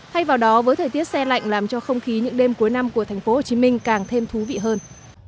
thay vào đó với thời tiết xe lạnh làm cho không khí những đêm cuối năm của tp hcm càng thêm thú vị hơn